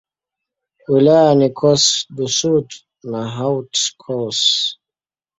Wilaya ni Corse-du-Sud na Haute-Corse.